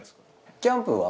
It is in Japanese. キャンプは？